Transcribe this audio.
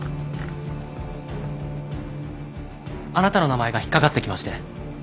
あなたの名前が引っ掛かってきまして。